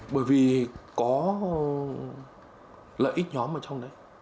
bởi vì có lợi ích nhóm ở trong đấy